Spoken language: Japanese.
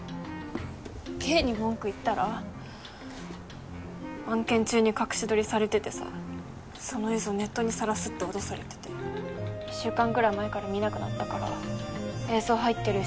Ｋに文句言ったら案件中に隠し撮りされててさ「その映像ネットにさらす」って脅されてて２週間くらい前から見なくなったから映像入ってるＳＤ